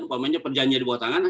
umpamanya perjanjian di bawah tangan